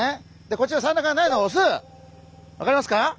でこちら産卵管ないのがオス！わかりますか？